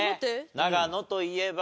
長野といえば。